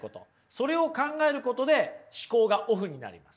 それを考えることで思考がオフになります。